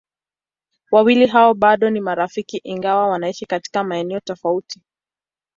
Wawili hao bado ni marafiki ingawa wanaishi katika maeneo tofauti.